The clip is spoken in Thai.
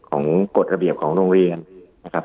กฎระเบียบของโรงเรียนนะครับ